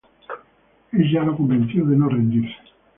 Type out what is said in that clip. Ella lo convenció de no rendirse.